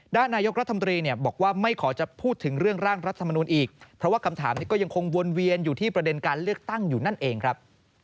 นายกรัฐมนตรีเนี่ยบอกว่าไม่ขอจะพูดถึงเรื่องร่างรัฐมนูลอีกเพราะว่าคำถามนี้ก็ยังคงวนเวียนอยู่ที่ประเด็นการเลือกตั้งอยู่นั่นเองครับ